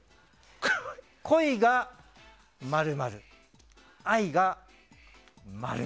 恋が○○、愛が○○。